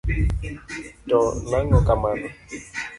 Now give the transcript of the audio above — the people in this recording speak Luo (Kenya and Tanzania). To nang'o kamano?